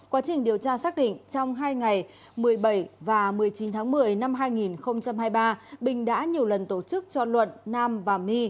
quá trình điều tra xác định trong hai ngày một mươi bảy và một mươi chín tháng một mươi năm hai nghìn hai mươi ba bình đã nhiều lần tổ chức cho luận nam và my